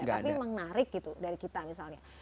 tapi emang ngarik gitu dari kita misalnya